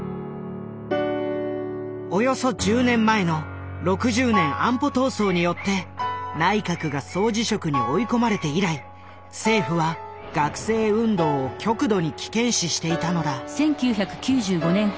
およそ１０年前の６０年安保闘争によって内閣が総辞職に追い込まれて以来政府は学生運動を極度に危険視していたのだ。